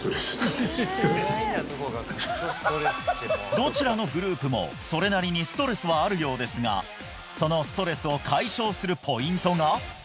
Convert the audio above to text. どちらのグループもそれなりにストレスはあるようですがそのストレスを解消するポイントが？